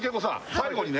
最後にね